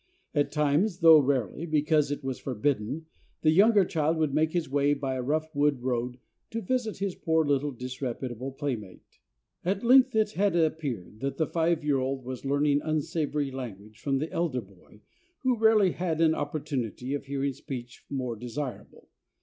At times, though rarely, because it was forbidden, the younger child would make his way by a rough wood road to visit his poor little disreputable playmate. At length it had appeared that the five year old was learning unsavory language from the elder boy, who rarely had an opportunity of hearing speech more desirable.